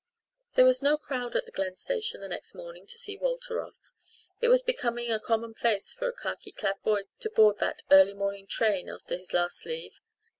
There was no crowd at the Glen Station the next morning to see Walter off. It was becoming a commonplace for a khaki clad boy to board that early morning train after his last leave.